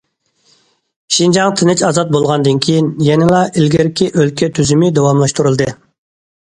شىنجاڭ تىنچ ئازاد بولغاندىن كېيىن، يەنىلا ئىلگىرىكى ئۆلكە تۈزۈمى داۋاملاشتۇرۇلدى.